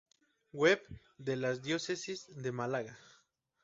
Web de la diócesis de Málaga